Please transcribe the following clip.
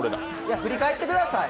振り返ってください。